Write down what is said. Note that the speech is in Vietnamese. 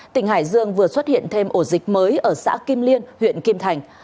tỉnh hải dương vừa xuất hiện thêm ổ dịch mới ở xã kim liên huyện kim thành